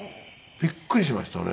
びっくりしましたね。